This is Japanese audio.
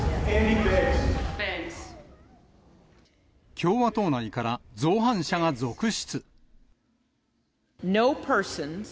共和党内から造反者が続出。